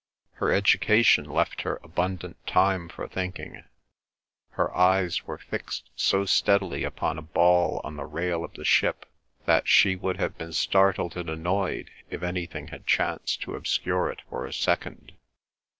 Her education left her abundant time for thinking. Her eyes were fixed so steadily upon a ball on the rail of the ship that she would have been startled and annoyed if anything had chanced to obscure it for a second.